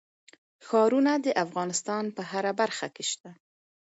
ښارونه د افغانستان په هره برخه کې شته.